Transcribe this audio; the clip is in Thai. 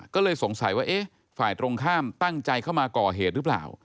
ก็เลยสงสัยว่าเอ๊ะฝ่ายตรงข้ามตั้งใจเข้ามาก่อเหตุหรือเปล่า